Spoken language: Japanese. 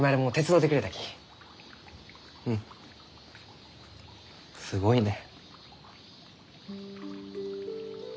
うんすごいね。